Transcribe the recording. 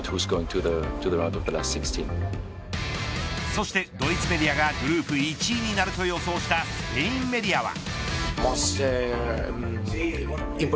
そしてドイツメディアがグループ１位になると予想したスペインメディアは。